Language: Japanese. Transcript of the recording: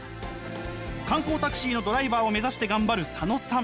観光タクシーのドライバーを目指して頑張る佐野さん。